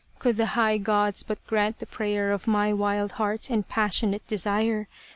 could the high gods but grant the prayer Of my wild heart, and passionate desire !